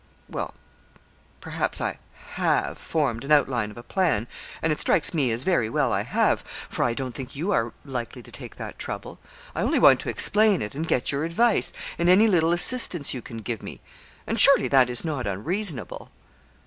'Well, perhaps, I have formed an outline of a plan, and it strikes me as very well I have for I don't think you are likely to take that trouble. I only want to explain it, and get your advice, and any little assistance you can give me; and surely that is not unreasonable?'